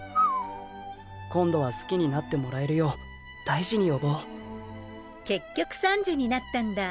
今度は好きになってもらえるよう大事に呼ぼう結局「サンジュ」になったんだ。